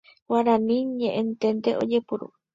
Guarani ñe'ẽténte ojepuru.